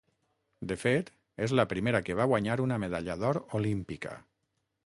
De fet, és la primera que va guanyar una medalla d’or olímpica.